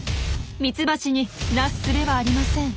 ミツバチになすすべはありません。